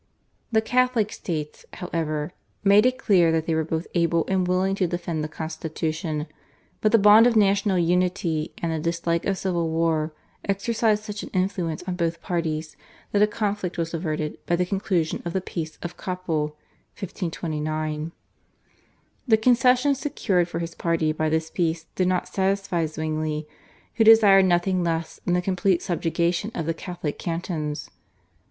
The Catholic states, however, made it clear that they were both able and willing to defend the constitution, but the bond of national unity and the dislike of civil war exercised such an influence on both parties that a conflict was averted by the conclusion of the Peace of Kappel (1529). The concessions secured for his party by this Peace did not satisfy Zwingli, who desired nothing less than the complete subjugation of the Catholic cantons.